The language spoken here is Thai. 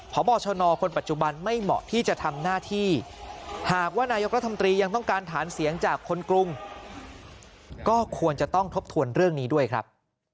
พบชนคนปัจจุบันไม่เหมาะที่จะทำหน้าที่หากว่านายกรัฐมนตรียังต้องการฐานเสียงจากคนกรุงก็ควรจะต้องทบทวนเรื่องนี้ด้วยครับ